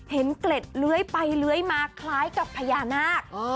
เกล็ดเลื้อยไปเลื้อยมาคล้ายกับพญานาค